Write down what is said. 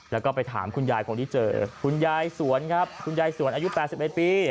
แล้วก็ไปถามคุณยายคนที่เจอคุณยายสวนครับคุณยายสวนอายุ๘๑ปี